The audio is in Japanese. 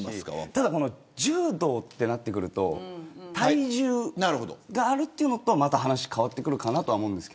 ただ、柔道ってなってくると体重があるというのとはまた話が違ってくると思います。